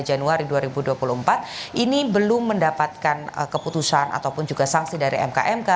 januari dua ribu dua puluh empat ini belum mendapatkan keputusan ataupun juga sanksi dari mkmk